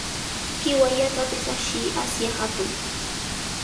¡Qiwallatapis ashiy, asyaq atuq!